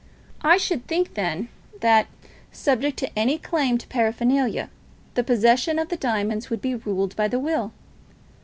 "I should think, then, that, subject to any claim for paraphernalia, the possession of the diamonds would be ruled by the will."